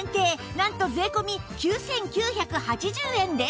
なんと税込９９８０円です